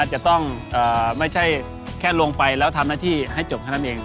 จะต้องไม่ใช่แค่ลงไปแล้วทำหน้าที่ให้จบแค่นั้นเอง